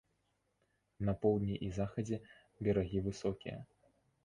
На поўдні і захадзе берагі высокія.